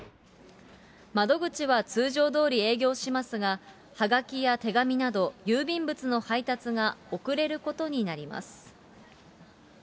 窓口は通常どおり営業しますが、はがきや手紙など、郵便物の配達が遅れることになります。